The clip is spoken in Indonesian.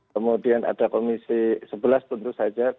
kemudian ada komisi sebelas tentu saja